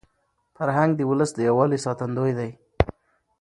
فرهنګ د ولس د یووالي ساتندوی دی.